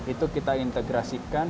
itu kita integrasikan